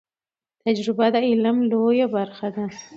تجربه د علم یو لوی برخه ده.